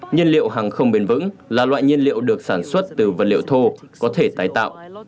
nhiên liệu hàng không bền vững là loại nhiên liệu được sản xuất từ vật liệu thô có thể tái tạo